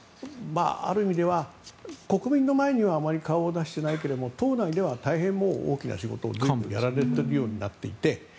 ある意味では、国民の前にはあまり顔を出していないけども党内では大きな仕事を全部やられていて。